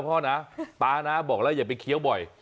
พ่อนะป๊านะบอกแล้วอย่าไปเคี้ยวบ่อย